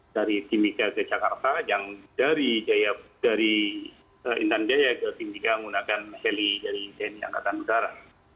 dari timika ke jakarta yang dari intan jaya ke timika menggunakan heli dari tni angkatan udara